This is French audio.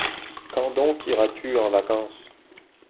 Quand donc iras-tu en vacances ?